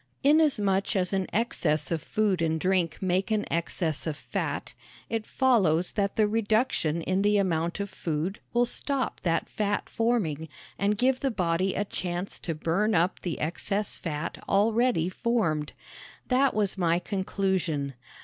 Inasmuch as an excess of food and drink make an excess of fat, it follows that the reduction in the amount of food will stop that fat forming and give the body a chance to burn up the excess fat already formed. That was my conclusion.